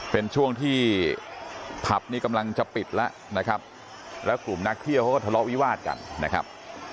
เป็นช่วงที่ผับนี่กำลังจะปิดแล้วนะครับแล้วกลุ่มนักเที่ยวเขาก็ทะเลาะวิวาดกันนะครับ